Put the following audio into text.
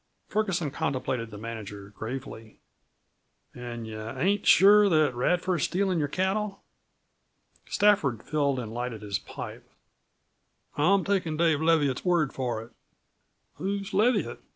Ferguson contemplated the manager gravely. "An' you ain't sure that Radford's stealin' your cattle?" Stafford filled and lighted his pipe. "I'm takin' Dave Leviatt's word for it," he said. "Who's Leviatt?"